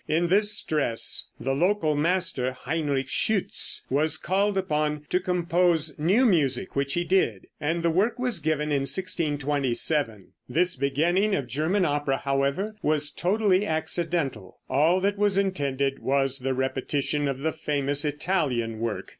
In this stress the local master, Heinrich Schütz, was called upon to compose new music, which he did, and the work was given in 1627. This beginning of German opera, however, was totally accidental. All that was intended was the repetition of the famous Italian work.